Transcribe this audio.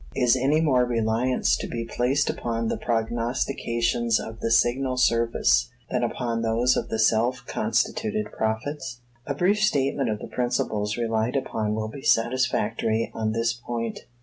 Is any more reliance to be placed upon the prognostications of the Signal Service than upon those of the self constituted prophets? A brief statement of the principles relied upon will be satisfactory on this point.